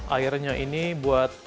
airnya ini buat